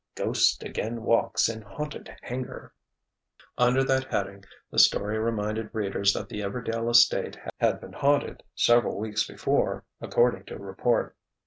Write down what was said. "Ghost Again Walks In Haunted Hangar." Under that heading the story reminded readers that the Everdail estate had been haunted several weeks before according to report.